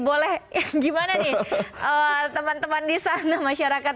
boleh gimana nih teman teman di sana masyarakat